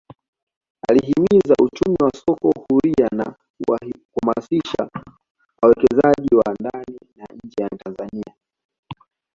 Alihimiza uchumi wa soko huria na kuwahamasisha wawekezaji wa ndani na nje ya Tanzania